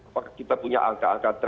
bahwa kita punya angka angka